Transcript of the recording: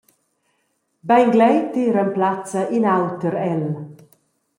Beingleiti remplazza in auter el.